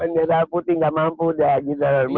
bendera putih nggak mampu dah gitu